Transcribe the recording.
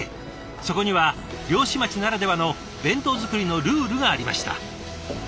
そこは漁師町ならではの弁当作りのルールがありました。